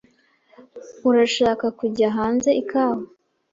Urashaka kujya hanze ikawa?